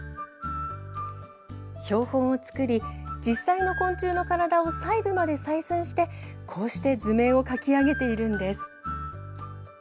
標本を作り、実際の昆虫の体を細部まで採寸してこうして図面を描き上げているんです。